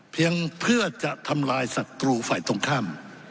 เพียงเพื่อจะทำลายศัตรูฝ่ายตรงข้าม